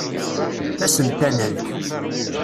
Tasentanalt.